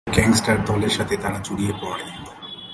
এভাবেই এক গ্যাংস্টার দলের সাথে তারা জড়িয়ে পড়ে।